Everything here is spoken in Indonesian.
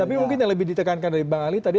tapi mungkin yang lebih ditekankan dari bang ali tadi